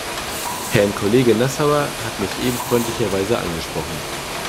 Herr Kollege Nassauer hat mich eben freundlicherweise angesprochen.